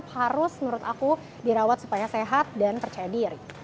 harus menurut aku dirawat supaya sehat dan percaya diri